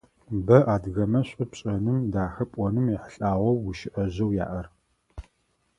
Бэ адыгэмэ шӏу пшӏэным, дахэ пӏоным ехьылӏагъэу гущыӏэжъэу яӏэр.